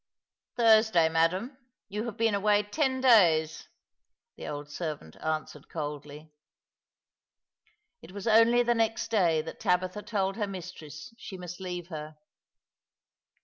" Thursday, ma'am. You have been away ton days," tha old servant answered coldly. It was only the next day that Tabitha told her mistress she must leave her.